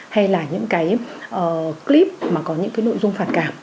hay là những cái clip mà có những cái nội dung phản cảm